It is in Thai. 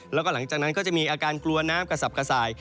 แล้วก็หลังจากนั้นก็จะมีอาการกลัวน้ำกระสับกระส่าย